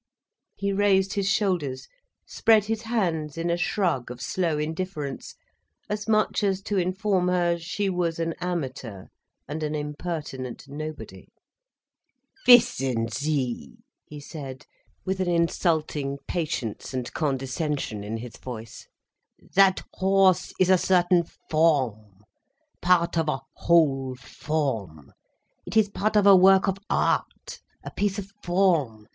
He raised his shoulders, spread his hands in a shrug of slow indifference, as much as to inform her she was an amateur and an impertinent nobody. "Wissen Sie," he said, with an insulting patience and condescension in his voice, "that horse is a certain form, part of a whole form. It is part of a work of art, a piece of form.